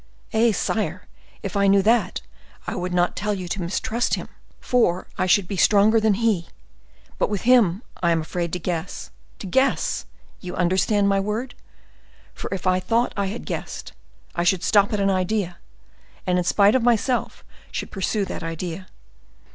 "Eh! sire, if I knew that, I would not tell you to mistrust him, for I should be stronger than he; but with him, I am afraid to guess—to guess!—you understand my word?—for if I thought I had guessed, I should stop at an idea, and, in spite of myself, should pursue that idea.